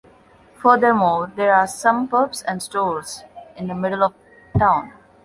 Furthermore, there are some pubs and stores in the middle of town.